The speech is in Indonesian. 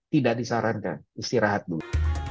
tidak disarankan istirahat dulu